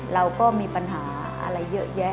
เราก็มีปัญหาอะไรเยอะแยะ